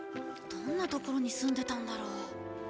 どんな所にすんでたんだろう？